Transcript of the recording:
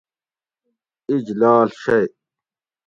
اِج لاڷ شئ